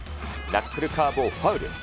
ナックルカーブをファウル。